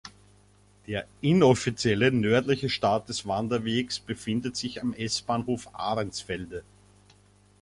Der „inoffizielle“, nördliche Start des Wanderwegs befindet sich am S-Bahnhof Ahrensfelde.